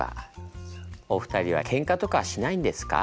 お二人はケンカとかしないんですか？」